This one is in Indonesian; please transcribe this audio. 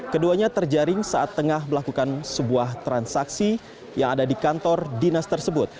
keduanya terjaring saat tengah melakukan sebuah transaksi yang ada di kantor dinas tersebut